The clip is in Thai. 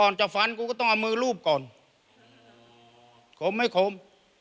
ก่อนจะฟันกูก็ต้องเอามือรูปก่อนคมให้ขม